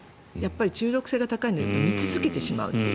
中毒性が高いので見続けてしまうという。